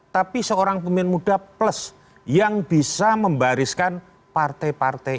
tapi seorang pemimpin muda plus yang bisa membariskan partai partai